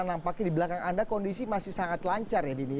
nampaknya di belakang anda kondisi masih sangat lancar ya dini